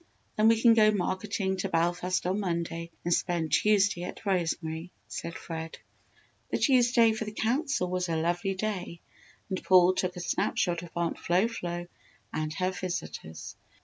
Then we can go marketing to Belfast on Monday, and spend Tuesday at Rosemary," said Fred. The Tuesday for the Council was a lovely day and Paul took a snap shot of Aunt Flo Flo and her visitors.